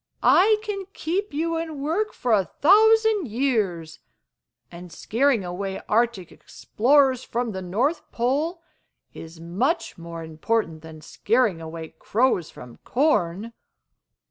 I can keep you in work for a thousand years, and scaring away Arctic Explorers from the North Pole is much more important than scaring away crows from corn.